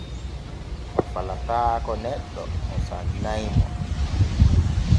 O falataako neɗɗe o sannay mo.